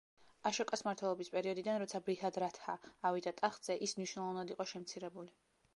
აშოკას მმართველობის პერიოდიდან, როცა ბრიჰადრათჰა ავიდა ტახტზე, ის მნიშვნელოვნად იყო შემცირებული.